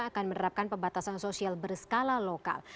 akan menerapkan pembatasan sosial berskala lokal